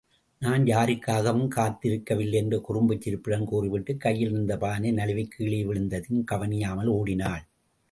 நான் யாருக்காகவும் காத்திருக்கவில்லை என்று குறும்புச் சிரிப்புடன் கூறிவிட்டுக் கையிலிருந்த பானை நழுவிக் கீழே விழுந்ததையும் கவனியாமல் ஓடினாள்.